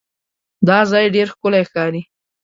دا ځای ډېر ښکلی ښکاري.